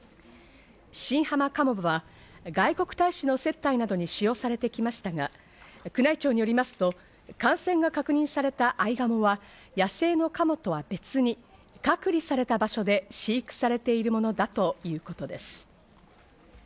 新浜鴨場は外国大使の接待などに使用されてきましたが、宮内庁によりますと、感染が確認されたアイガモは野生のカモとは別に隔離された場所で飼育されているものだということです。